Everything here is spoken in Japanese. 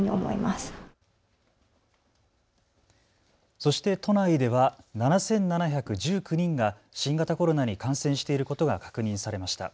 そして都内では７７１９人が新型コロナに感染していることが確認されました。